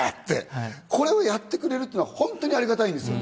って、これをやってくれるって本当にありがたいんですよ。